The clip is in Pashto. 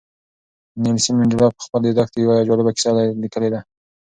نیلسن منډېلا په خپل یاداښت کې یوه جالبه کیسه لیکلې ده.